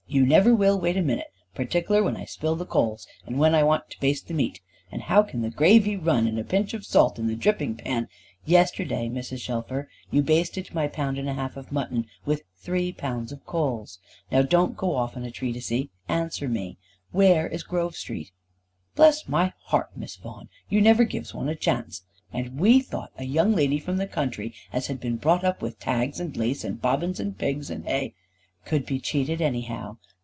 You never will wait a minute, partikler when I spill the coals, and when I wants to baste the meat. And how can the gravy run, and a pinch of salt in the dripping pan " "Yesterday, Mrs. Shelfer, you basted my pound and a half of mutton with three pounds of coals. Now don't go off into a treatise. Answer me, where is Grove Street?" "Bless my heart, Miss Vaughan. You never gives one a chance. And we thought a young lady from the country as had been brought up with tags, and lace, and bobbin, and pigs, and hay " "Could be cheated anyhow.